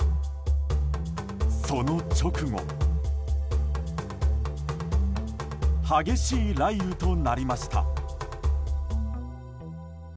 その直後激しい雷雨となりました。